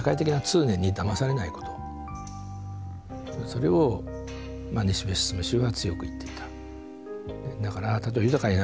それを西部邁氏は強く言っていた。